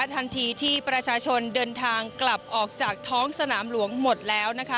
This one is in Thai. ทันทีที่ประชาชนเดินทางกลับออกจากท้องสนามหลวงหมดแล้วนะคะ